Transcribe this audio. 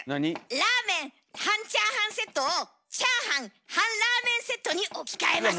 ラーメン・半チャーハンセットをチャーハン・半ラーメンセットに置き換えます。